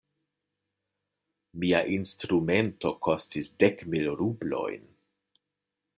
Mia instrumento kostis dek mil rublojn.